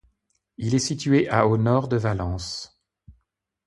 Il est situé à au nord de Valence.